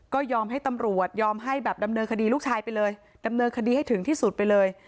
ก็ยอมให้ตำรวจยอมให้แบบดำเนินคดีลูกชายไปเลยดำเนินคดีให้ถึงที่สุดไปเลย